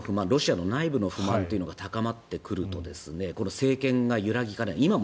ロシアの内部の不満というのが高まってくると政権が揺らぎかねない。